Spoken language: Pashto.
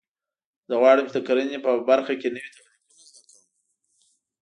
زه غواړم چې د کرنې په برخه کې نوي تخنیکونه زده کړم